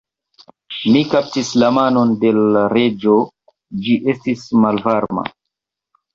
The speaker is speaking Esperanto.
Mi kaptis la manon de l' Reĝo: ĝi estis malvarma.